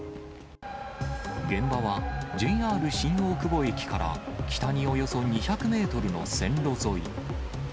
現場は、ＪＲ新大久保駅から北におよそ２００メートルの線路沿い。